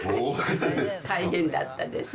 大変だったです。